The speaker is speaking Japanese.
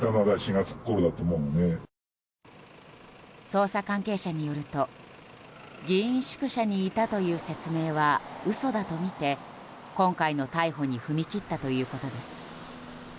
捜査関係者によると議員宿舎にいたという説明は嘘だとみて、今回の逮捕に踏み切ったということです。